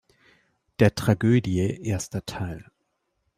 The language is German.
Der Tragödie erster Teil.